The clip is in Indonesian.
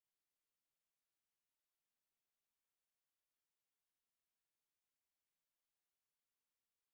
jadi cumara suara ini sangat baik